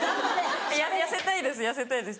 痩せたいです痩せたいです